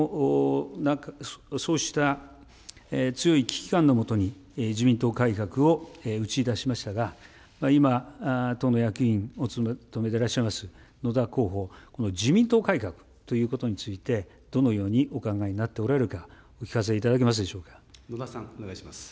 そうした強い危機感のもとに、自民党改革を打ち出しましたが、今、党の役員をお務めでいらっしゃいます野田候補、この自民党改革ということについて、どのようにお考えになっておられるか、お聞か野田さん、お願いします。